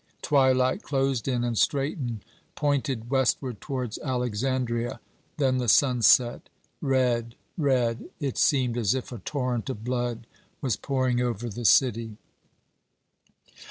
Twilight closed in, and Straton pointed westward towards Alexandria. Then the sun set. Red! red! It seemed as if a torrent of blood was pouring over the city.